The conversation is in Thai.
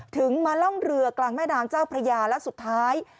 ถึงมาล่องเรือกลางแม่น้ำเจ้าพระยาและสุดท้าย